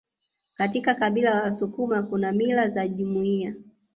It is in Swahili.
Kaika kabila la wasukuma Kuna mila za jumuiya